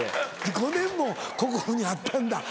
５年も心にあったんだ。